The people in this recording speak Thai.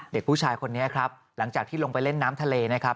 เด็กผู้ชายคนนี้ครับหลังจากที่ลงไปเล่นน้ำทะเลนะครับ